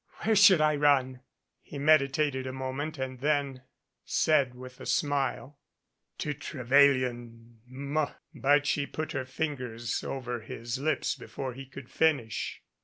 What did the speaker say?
"Where should I run?" He meditated a moment and then said with a smile: "To Trevelyan M " But she put her fingers over his lips before he could finish.